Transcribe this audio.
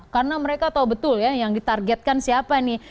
karena mereka tahu betul ya yang ditargetkan siapa nih